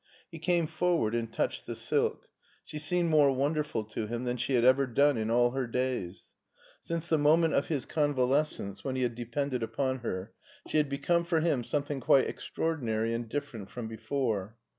He came forward and touched the silk. She seemed more wonderful to him than she had ever done in all her days. Since the moment of his con valescence, when he had depended upon her, she had become for him something quite extraordinary and different from before.